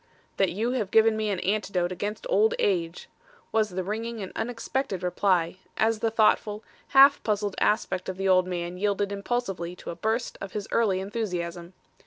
"That you have given me an antidote against old age," was the ringing and unexpected reply, as the thoughtful, half puzzled aspect of the old man yielded impulsively to a burst of his early enthusiasm.